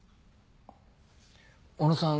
小野さん